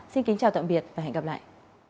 xin kính chào tạm biệt và hẹn gặp lại